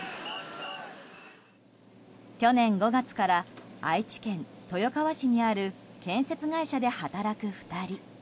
去年５月から愛知県豊川市にある建設会社で働く２人。